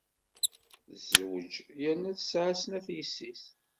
Tezwej yerna tesɛa snat yessi-s.